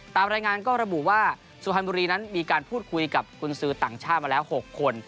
ตามรายงานก็ระบุว่าสุพรรณบุรีนั้นมีการพูดคุยกับกุญสือต่างชาติมาแล้ว๖คน